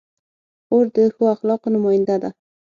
خور د ښو اخلاقو نماینده ده.